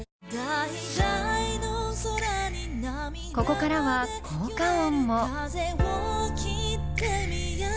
ここからは効果音も。